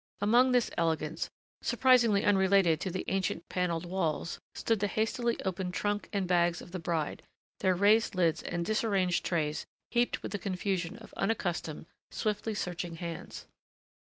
Among this elegance, surprisingly unrelated to the ancient paneled walls, stood the hastily opened trunk and bags of the bride, their raised lids and disarranged trays heaped with the confusion of unaccustomed, swiftly searching hands.